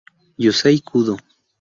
Yusei Kudo